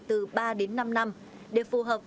từ ba đến năm năm để phù hợp với tài chính